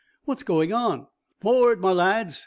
"What's going on? Forrard, my lads.